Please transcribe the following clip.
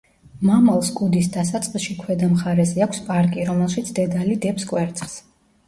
მამალს კუდის დასაწყისში ქვედა მხარეზე აქვს პარკი, რომელშიც დედალი დებს კვერცხს.